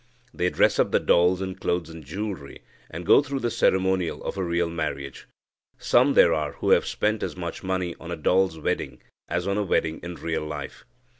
They dress up the dolls in clothes and jewelry, and go through the ceremonial of a real marriage. Some there are who have spent as much money on a doll's wedding as on a wedding in real life.